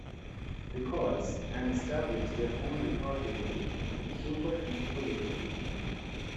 Records, and established their own record label Super Echo Label.